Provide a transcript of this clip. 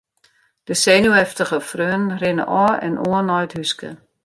De senuweftige freonen rinne ôf en oan nei it húske.